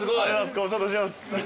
ご無沙汰してます。